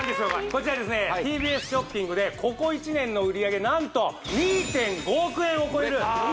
こちらですねＴＢＳショッピングでここ１年の売上何と２．５億円を超える大ヒット商品！